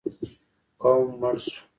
قوم مړ شو.